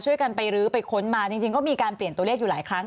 ช่วยกันไปรื้อไปค้นมาจริงก็มีการเปลี่ยนตัวเลขอยู่หลายครั้ง